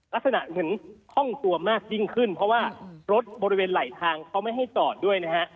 ลักษณะเห็นคล่องตัวมากยิ่งขึ้นเพราะว่ารถบริเวณไหลทางเขาไม่ให้จอดด้วยนะฮะ